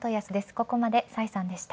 ここまで崔さんでした。